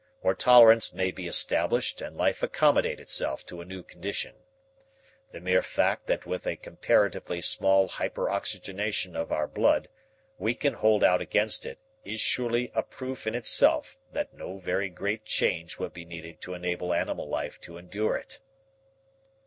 Or tolerance may be established and life accommodate itself to a new condition. The mere fact that with a comparatively small hyperoxygenation of our blood we can hold out against it is surely a proof in itself that no very great change would be needed to enable animal life to endure it."